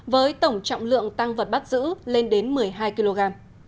với tổng trọng lượng tăng vật bắt giữ lên đến một mươi hai kg